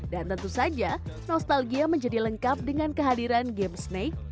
dan tentu saja nostalgia menjadi lengkap dengan kehadiran game snake